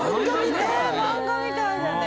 ねえ漫画みたいだね